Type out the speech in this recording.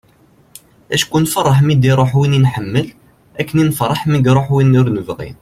acku nfeṛṛeḥ mi d-iruḥ win nḥemmel akken i nfeṛṛeḥ mi iruḥ win ur nebɣi